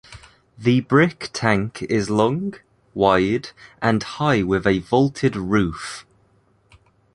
The brick tank is long, wide and high with a vaulted roof.